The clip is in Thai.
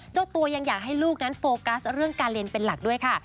เจ้าตัวยังอยากให้ลูกนั้นโฟกัสเรื่องการเรียนเป็นหลักด้วยค่ะ